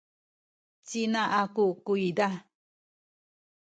ci ina aku kuyza